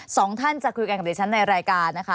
สองท่านจะคุยกันกับดิฉันในรายการนะคะ